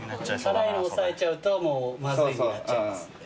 辛いの抑えちゃうとまずいになっちゃいますんで。